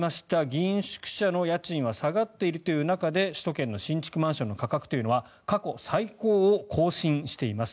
議員宿舎の家賃は下がっているという中で首都圏の新築マンションの価格というのは過去最高を更新しています。